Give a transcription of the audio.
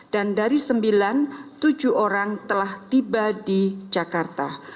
dan dari sembilan tujuh orang telah tiba di jakarta